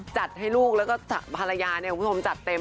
จัดให้ลูกแล้วก็ภรรยาเนี่ยคุณผู้ชมจัดเต็ม